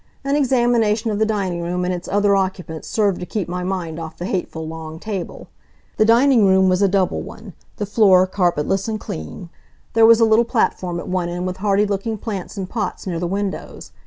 An examination of the dining room and its other occupants served to keep my mind off the hateful long table. The dining room was a double one, the floor carpetless and clean. There was a little platform at one end with hardy looking plants in pots near the windows.